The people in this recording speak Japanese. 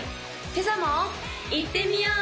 今朝もいってみよう！